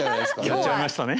当たっちゃいましたね。